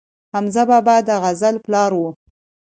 حمزه بابا د غزل پلار و